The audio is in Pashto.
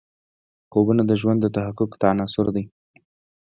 خوبونه د ژوند د تحقق عناصر دي.